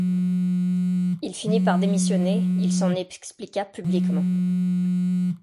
Il finit par démissionner, il s'en expliqua publiquement.